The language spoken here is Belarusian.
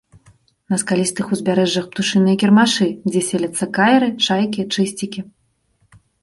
На скалістых узбярэжжах птушыныя кірмашы, дзе селяцца кайры, чайкі, чысцікі.